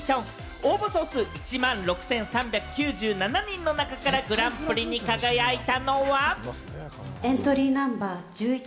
応募総数１万６３９７人の中からグランプリに輝いたのは。